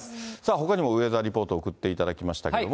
ほかにもウェザーリポート送っていただきましたけれども。